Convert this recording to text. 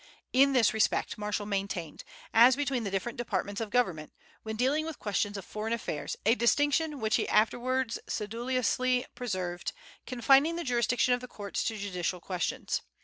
In this respect Marshall maintained, as between the different departments of government, when dealing with questions of foreign affairs, a distinction which he afterwards sedulously preserved, confining the jurisdiction of the courts to judicial questions.